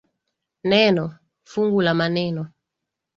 Neno/fungu la maneno